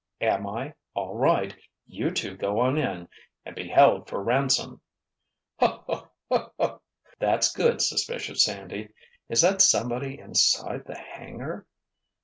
"Am I? All right. You two go on in—and be held for ransom!" "Ho ho ho ho! That's good. Suspicious Sandy—is that somebody inside the hangar?"